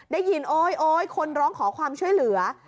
ได้ยินโอ๊ยโอ๊ยคนร้องขอความช่วยเหลือ